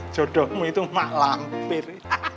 jodohmu itu emak lampir